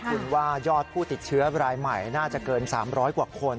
คุณว่ายอดผู้ติดเชื้อรายใหม่น่าจะเกิน๓๐๐กว่าคน